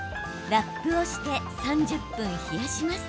ラップをして３０分、冷やします。